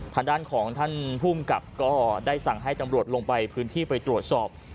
ทางด้านของท่านภูมิกับก็ได้สั่งให้ตำรวจลงไปพื้นที่ไปตรวจสอบ